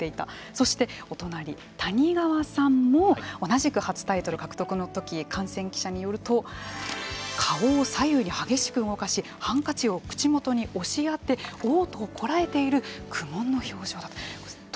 そしてお隣谷川さんも同じく初タイトル獲得のとき観戦記者によると顔を左右に激しく動かしハンカチを口元に押し当ておう吐をこらえている苦悶の表情だったと。